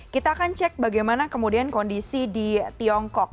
kita akan cek bagaimana kemudian kondisi di tiongkok